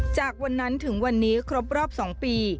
จากวันนั้นถึงวันนี้ครบรอบ๒ปี